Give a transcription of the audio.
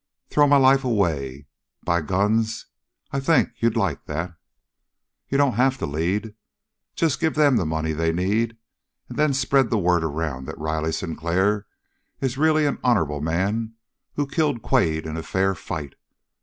Throw my life away? By guns, I think you'd like that!" "You don't have to lead. Just give them the money they need and then spread the word around that Riley Sinclair is really an honorable man who killed Quade in a fair fight.